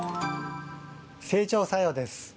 整腸作用です。